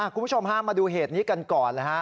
คุณผู้ชมมาดูเหตุนี้กันก่อน